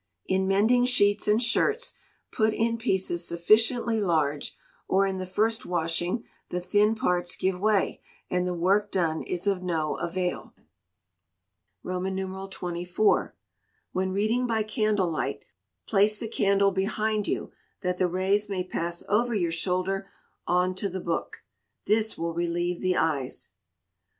In mending sheets and shirts, put in pieces sufficiently large, or in the first washing the thin parts give way, and the work done is of no avail. xxiv. When reading by candle light, place the candle behind you, that the rays may pass over your shoulder on to the book. This will relieve the eyes.